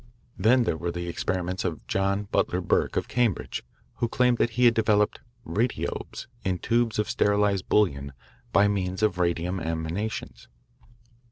Then there were the experiments of John Butler Burke of Cambridge, who claimed that he had developed "radiobes" in tubes of sterilised bouillon by means of radium emanations.